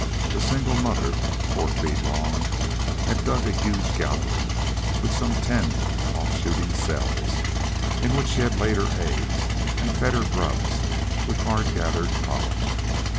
A single mother, four feet long, had dug a huge gallery with some ten offshooting cells, in which she had laid her eggs and fed her grubs with hard gathered pollen.